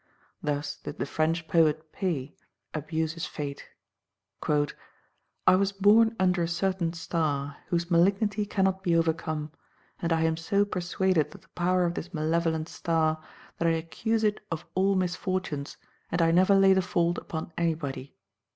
Thus did the French poet Pays abuse his fate: "I was born under a certain star, whose malignity cannot be overcome; and I am so persuaded of the power of this malevolent star, that I accuse it of all misfortunes, and I never lay the fault upon anybody."